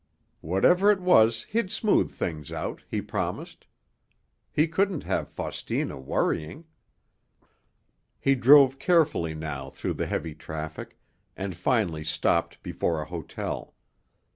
Whatever it was, he'd smooth things out, he promised. He couldn't have Faustina worrying. He drove carefully now through the heavy traffic, and finally stopped before a hotel.